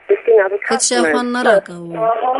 هېڅ شي خوند نه راکاوه.